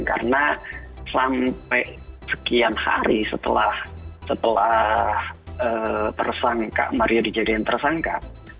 karena sampai sekian hari setelah maria dijadiin tersangka